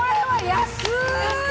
安い！